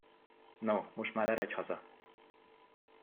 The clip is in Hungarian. No, most már eredj haza!